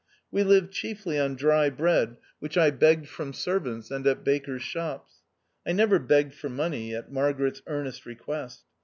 We lived chiefly on dry bread, which I begged from servants and at bakers' shops. I never begged for money, at Margaret's earnest request.